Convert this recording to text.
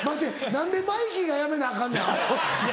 何でマイキーがやめなアカンねんアホ。